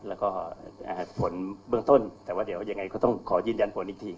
แล้วก็ผลเบื้องต้นแต่ว่าเดี๋ยวยังไงก็ต้องขอยืนยันผลอีกที